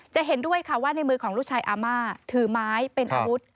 จะเห็นด้วยค่ะว่าในมือของลูกชายอาม่าถือไม้เป็นอาวุธ